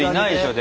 で